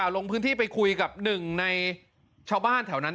ลงพื้นที่ไปคุยกับหนึ่งในชาวบ้านแถวนั้น